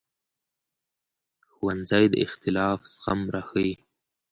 ښوونځی د اختلاف زغم راښيي